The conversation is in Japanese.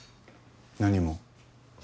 何も。